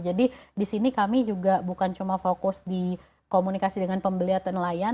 jadi di sini kami juga bukan cuma fokus di komunikasi dengan pembeli atau nelayan